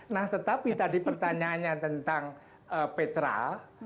nah tetapi tadi pertanyaannya tentang petral